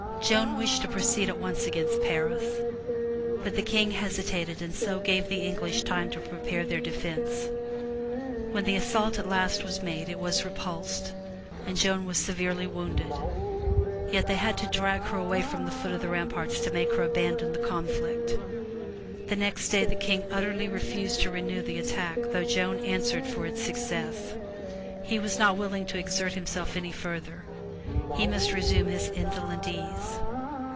Joan wished to proceed at once against Paris, but the King hesitated and so gave the English time to prepare their defense. When the assault at last was made, it was repulsed, and Joan was 3^3 MY BOOK HOUSE severely wounded. Yet they had to drag her away from the foot of the ramparts to make her abandon the conflict. The next day the King utterly refused to renew the attack though Joan answered for its success. He was not willing to exert himself any further; he must resume his indolent ease.